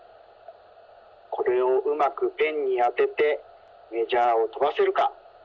これをうまくペンにあててメジャーをとばせるか。